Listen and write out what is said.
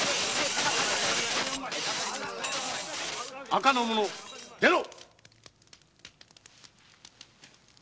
赤組の者出ろ！